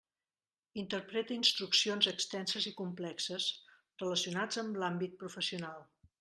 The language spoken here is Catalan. Interpreta instruccions extenses i complexes, relacionats amb l'àmbit professional.